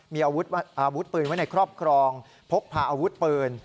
มีอาวุธปืนไว้ในครอบครองพกพาอาวุธปืน